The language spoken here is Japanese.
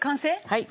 はい。